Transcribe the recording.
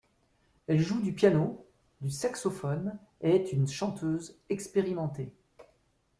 Elle joue du piano, du saxophone et est une chanteuse expérimentée.